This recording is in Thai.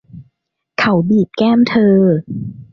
เขาบีบแก้มเธอ